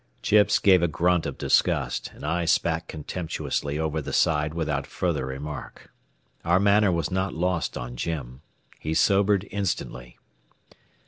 Chips gave a grunt of disgust, and I spat contemptuously over the side without further remark. Our manner was not lost on Jim. He sobered instantly.